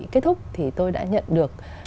kết thúc thì tôi đã nhận được